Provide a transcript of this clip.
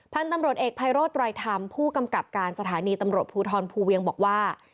พันธุ์ตำรวจเอกภัยโรธไรธรรมผู้กำกับการสถานีตำรวจภูทรภูเวียงบอกว่า